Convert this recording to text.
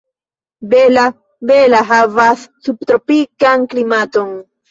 Bela-Bela havas subtropikan klimaton.